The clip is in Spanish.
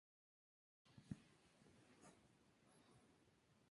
La datación de los guerreros galaicos o lusitanos sigue siendo discutida.